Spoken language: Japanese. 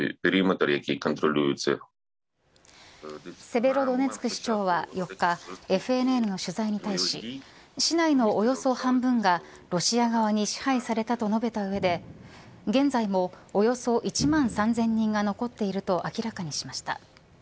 セベロドネツク市長は４日ＦＮＮの取材に対し市内のおよそ半分がロシア側に支配されたと述べたうえで現在もおよそ１万３０００人が残っていると明らかにしました。